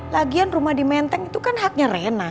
lagian rumah di menteng itu kan haknya rena